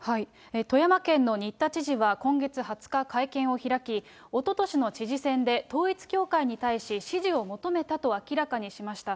富山県の新田知事は今月２０日、会見を開き、おととしの知事選で、統一教会に対し支持を求めたと明らかにしました。